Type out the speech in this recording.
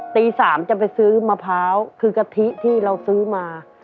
ตี๓จะไปซื้อมะพร้าวคือกะทิที่เราซื้อมา